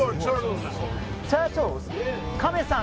カメさん